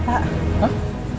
kita gak bisa menikmati